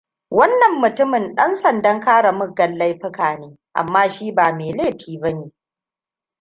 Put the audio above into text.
Wannan mutumin dansandan kare muggan laifuka ne, amma shi ba mai laifi bane.